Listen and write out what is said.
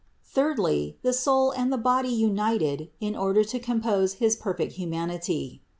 Thirdly, the soul and the body united in order to compose his perfect humanity.